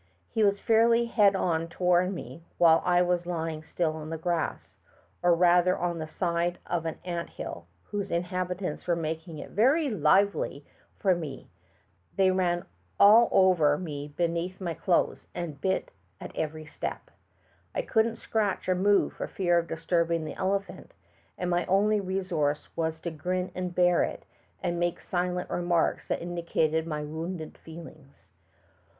He was fairly head on toward me while I was lying still in the grass, or rather on the side of an ant hill, whose inhabitants were making it very lively TREED BY AN ELEPHANT. 217 for me. They ran all over me beneath my clothes, and bit at every step. I eouldn't scratch or move for fear of disturbing the elephant, and my only resouree was to grin and bear it and make silent remarks that indicated my wounded feelings.